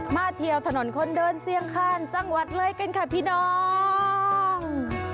เทียวถนนคนเดินเสี่ยงข้ามจังหวัดเลยกันค่ะพี่น้อง